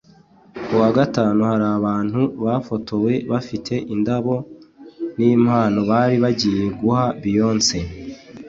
Kuwa Gatanu hari abantu bafotowe bafite indabo n’impano bari bagiye guha Beyonce